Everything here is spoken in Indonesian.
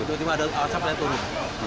tiba tiba ada asap yang turun